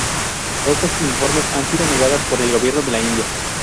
Estos informes han sido negadas por el Gobierno de la India.